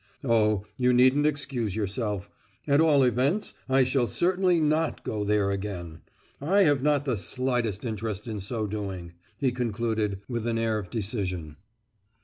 Oh, you needn't excuse yourself; at all events I shall certainly not go there again. I have not the slightest interest in so doing," he concluded, with an air of decision.